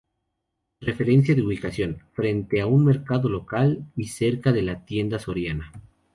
Referencia de Ubicación: Frente a un mercado local y cerca de la tienda Soriana.